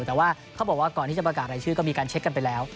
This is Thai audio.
แต่ว่าเขาบอกว่าก่อนที่จะประกาศรายชื่อก็มีการเช็คกันไปแล้ว